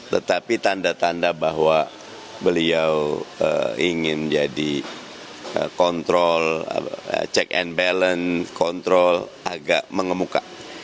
tetapi tanda tanda bahwa beliau ingin jadi kontrol check and balance kontrol agak mengemuka